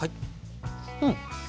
うん。